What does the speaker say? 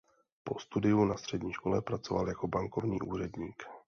Po studiu na střední škole pracoval jako bankovní úředník.